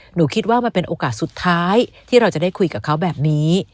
หนูคิดว่ามันเป็นโอกาสสุดท้ายที่เราจะได้คุยกับเขาแบบนี้